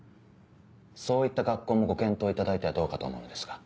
そういった学校もご検討いただいてはどうかと思うのですが。